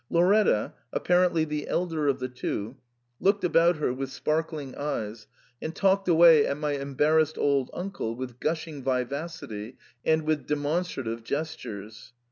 Lauretta, apparently the elder of the two, looked about her with sparkling eyes, and talked away at my embarrassed old uncle with gushing vivacity and with demonstrative gestures.